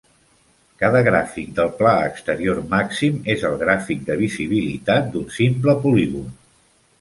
Cada gràfic del pla exterior màxim és el gràfic de visibilitat d'un simple polígon.